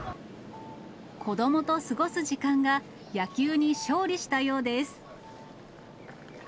子どもと過ごす時間が、野球に勝利したようです。